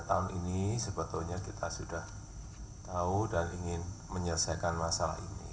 tahun ini sebetulnya kita sudah tahu dan ingin menyelesaikan masalah ini